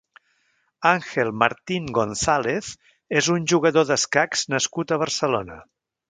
Ángel Martín González és un jugador d'escacs nascut a Barcelona.